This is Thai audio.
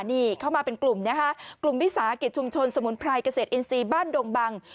นี่เข้ามาเป็นกลุ่มนะคะกลุ่มวิสาหกิจชุมชนสมุนไพรเกษตรอินทรีย์บ้านดงบัง